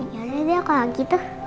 ya udah dia kalau gitu